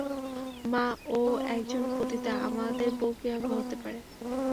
মা, ও একজন পতিতা, আমাদের বউ কিভাবে হতে পারে?